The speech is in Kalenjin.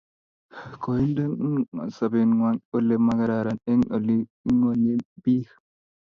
koindeno sobengwai ole magararan eng oleginyoen biik